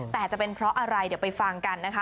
แต่จะเป็นเพราะอะไรเดี๋ยวไปฟังกันนะคะ